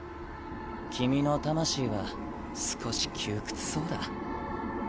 君の魂は少し窮屈そうだ